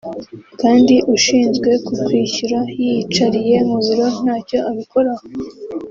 kandi ushinzwe kukwishyura yiyicariye mu biro ntacyo abikoraho[…]”